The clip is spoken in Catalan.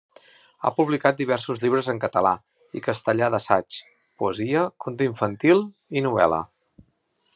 Ha publicat diversos llibres en català i castellà d'assaig, poesia, conte infantil i novel·la.